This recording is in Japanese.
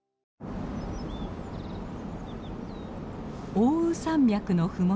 奥羽山脈の麓